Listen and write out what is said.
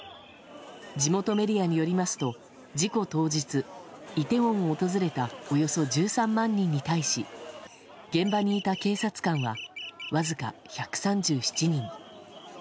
地元メディアによりますと事故当日イテウォンを訪れたおよそ１３万人に対し現場にいた警察官はわずか１３７人。